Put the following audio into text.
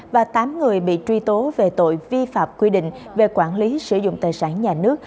và tám người bị truy tố về tội vi phạm quy định về quản lý sử dụng tài sản nhà nước